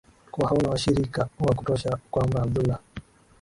ulikuwa hauna washirika wa kutosha na kwamba Abdullah